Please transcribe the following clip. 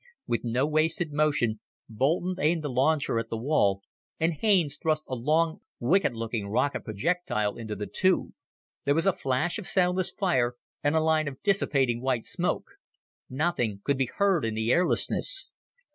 With no wasted motion, Boulton aimed the launcher at the wall, and Haines thrust a long, wicked looking rocket projectile into the tube. There was a flash of soundless fire and a line of dissipating white smoke. Nothing could be heard in the airlessness.